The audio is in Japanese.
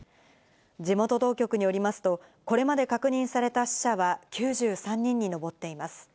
地元当局によりますと、これまで確認された死者は９３人に上っています。